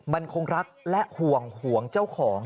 มันคงรักและห่วงห่วงเจ้าของ